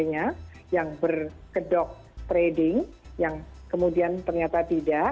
yang berkedok trading yang kemudian ternyata tidak